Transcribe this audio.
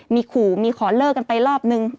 มีขู่มีขอเลิกกันไปรอบนึง